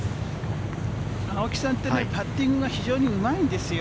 青木さんってパッティングが非常にうまいんですよ。